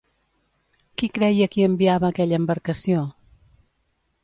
Qui creia qui enviava aquella embarcació?